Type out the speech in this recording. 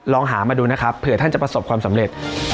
ลองหามาดูนะครับเผื่อท่านจะประสบความสำเร็จ